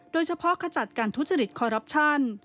โดยเฉพาะขจัดการทุจริตคอรัพชัน